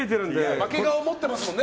負け顔を持ってますもんね。